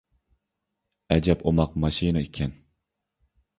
ئەجەب ئوماق ماشىنا ئىكەن.